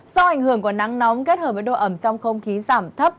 do ảnh hưởng của nắng nóng kết hợp với độ ẩm trong không khí giảm thấp